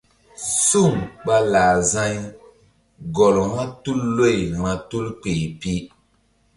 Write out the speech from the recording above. Suŋ ɓa lah za̧y gɔl vba tul loy vba tul kpeh pi.